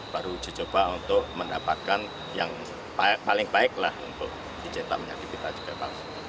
baru dicoba untuk mendapatkan yang paling baik lah untuk dicetak menjadi pita juga pas